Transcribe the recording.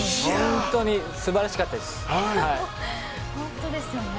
本当に素晴らしかったです。